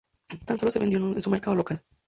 Tan solo se vendió en su mercado local.